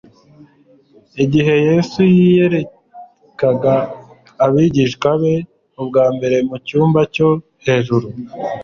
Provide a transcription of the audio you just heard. Igihe Yesu yiyerekaga abigishwa be ubwa mbere mu cyumba cyo hejuru,